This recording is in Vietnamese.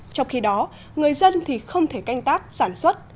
trong khi đó người dân thì không thể canh tác sản xuất